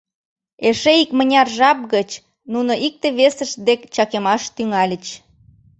Эше икмыняр жап гыч нуно икте-весышт дек чакемаш тӱҥальыч.